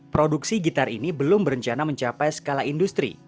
produksi gitar ini belum berencana mencapai skala industri